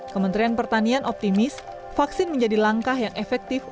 kementerian pertanian optimis vaksin menjadi langkah yang efektif